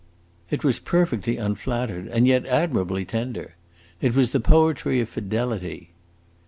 It was perfectly unflattered, and yet admirably tender; it was the poetry of fidelity.